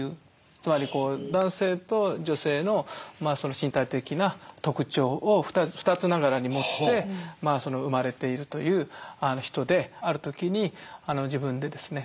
つまり男性と女性の身体的な特徴を二つながらに持って生まれているという人である時に自分でですね